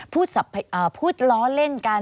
พูดล้อเล่นกัน